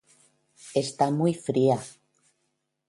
está muy fría.